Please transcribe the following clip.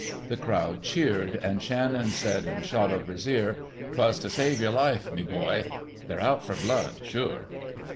The crowd cheered, and Shannon said in Shotover's ear: "'Twas to save yer life, me b'y. They're out for blood, sure."